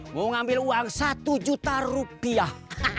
mau ngambil uang satu juta rupiah